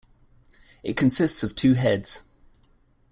It consists of two heads.